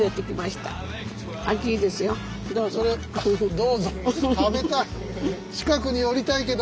「どうぞ」